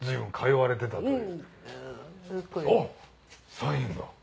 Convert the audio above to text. サインが。